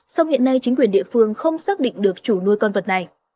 song hiện nay chính quyền địa phương không xác định được chủ nuôi con vật này